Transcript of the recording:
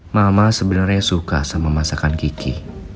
mama sebenarnya suka sama masakan gigi